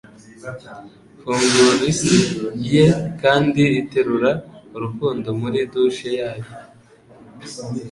Fungura isi ye, kandi iterura urukundo muri douche yayo.